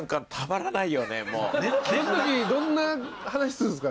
その時どんな話するんすか？